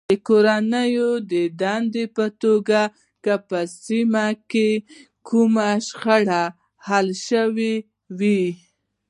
د کورنۍ دندې په توګه که په سیمه کې کومه شخړه حل شوې وي.